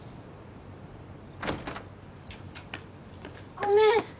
ごめん。